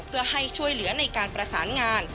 เพื่อให้ช่วยเหลือในการประสานงาน